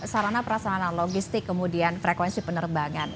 sarana perasana logistik kemudian frekuensi penerbangan